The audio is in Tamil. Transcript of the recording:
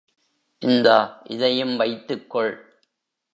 இந்தா இதையும் வைத்துக்கொள்.